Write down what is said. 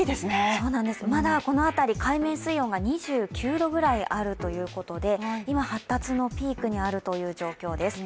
まだこの辺り、海面水温が２９度ぐらいあるということで今、発達のピークにあるという状況です。